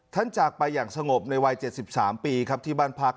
ท่านจากไปอย่างสงบในวัยเจ็ดสิบสามปีครับที่บ้านพรรค